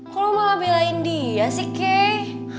kok lo malah belain dia sih kay